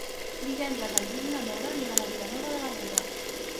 Divendres en Gil i na Nora iran a Vilanova de l'Aguda.